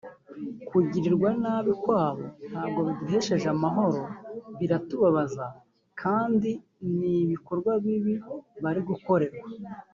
kugirirwa nabi kwabo ntabwo biduhesheje amahoro biratubabaza kandi ni ibikorwa bibi bari gukorerwa